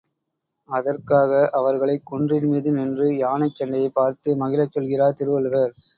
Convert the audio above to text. அதற்காக அவர்களைக் குன்றின்மீது நின்று யானைச் சண்டையைப் பார்த்து மகிழச் சொல்கிறார் திருவள்ளுவர்.